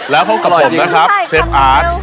แล้วพบกับผมนะครับเชฟอาร์ต